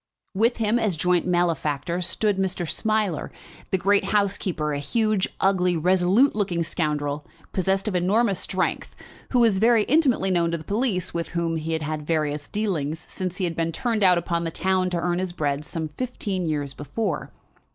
With him, as joint malefactor, stood Mr. Smiler, the great housebreaker, a huge, ugly, resolute looking scoundrel, possessed of enormous strength, who was very intimately known to the police, with whom he had had various dealings since he had been turned out upon the town to earn his bread some fifteen years before.